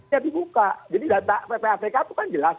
jadi data ppatk itu kan jelas